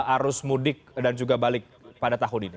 arus mudik dan juga balik pada tahun ini